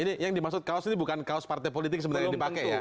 ini yang dimaksud kaos ini bukan kaos partai politik sebenarnya yang dipakai ya